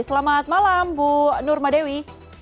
selamat malam bu nur madewi